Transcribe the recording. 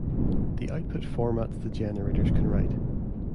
The output formats the generators can write.